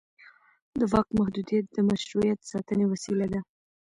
د واک محدودیت د مشروعیت ساتنې وسیله ده